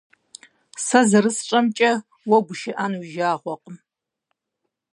Сэ зэрысщӀэмкӀэ, уэ гушыӀэн уи жагъуэкъым.